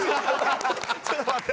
「ちょっと待って」